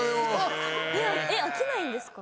えっ飽きないんですか？